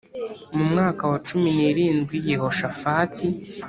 Mu mwaka wa cumi n irindwi Yehoshafati